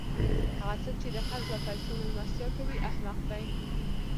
هغه څوک، چي د قرض له پېسو میلمستیا کوي؛ احمق دئ!